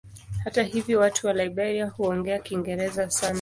Hata hivyo watu wa Liberia huongea Kiingereza sana.